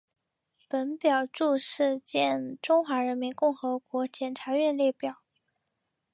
本表注释见中华人民共和国检察院列表。